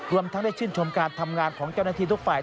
รวมทั้งได้ชื่นชมการทำงานของเจ้าหน้าที่ทุกฝ่าย